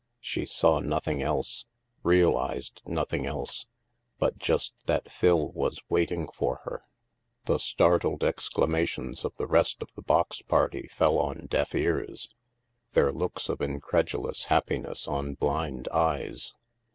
She saw nothing else, realized nothing else, but just that Phil was waiting for her. The startled exclamations of the rest of the box party fell on deaf ears, their looks of incredulous happiness on blind eyes.